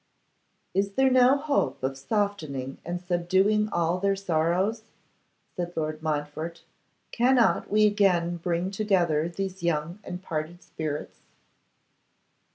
'Is there no hope of softening and subduing all their sorrows?' said Lord Montfort; 'cannot we again bring together these young and parted spirits?